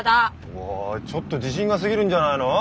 おいちょっと自信が過ぎるんじゃないの？